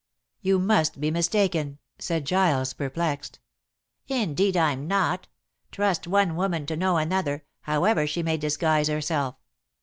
"You must be mistaken," said Giles, perplexed. "Indeed, I'm not. Trust one woman to know another, however she may disguise herself.